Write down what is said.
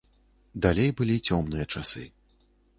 Далей былі цёмныя часы.